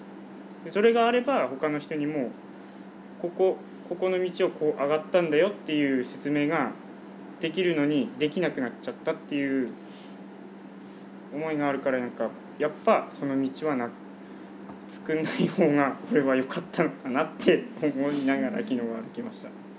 それがあれば他の人にもここの道をこう上がったんだよっていう説明ができるのにできなくなっちゃったっていう思いがあるからやっぱその道はつくんない方が俺はよかったのかなって思いながらきのうは行きました。